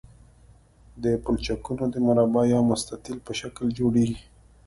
دا پلچکونه د مربع یا مستطیل په شکل جوړیږي